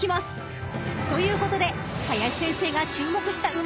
［ということで林先生が注目した馬も］